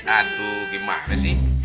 aduh gimana sih